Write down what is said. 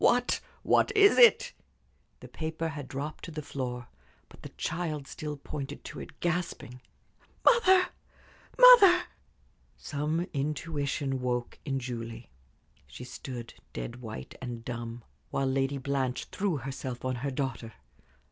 "What what is it?" The paper had dropped to the floor, but the child still pointed to it, gasping. "Mother mother!" Some intuition woke in Julie. She stood dead white and dumb, while Lady Blanche threw herself on her daughter.